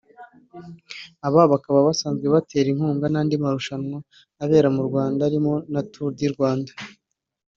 aba bakaba basanzwe banatera inkunga n’andi marushanwa abera mu Rwanda arimo na Tour du Rwanda